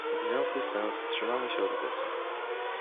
W związku z tym wstrzymamy się od głosu